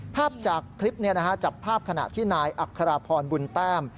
ภาพจากคลิปจับภาพขณะที่นายอัครพรบุญแต้ม